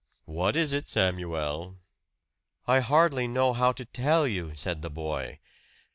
"What is it, Samuel?" "I hardly know how to tell you," said the boy.